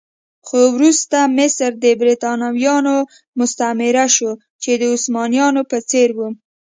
خو وروسته مصر د برېټانویانو مستعمره شو چې د عثمانيانو په څېر و.